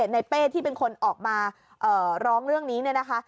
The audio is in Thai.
เป้ที่เป็นคนออกมาร้องเรื่องนี้เนี่ยนะคะ